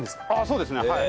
そうですねはい。